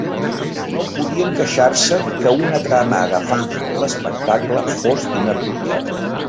No podien queixar-se que una trama agafada de l'espectacle fos inapropiada.